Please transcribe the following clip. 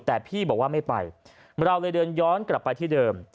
แต่พี่บอกว่าไม่ไปเราเลยเดินย้อนกลับไปที่เดิม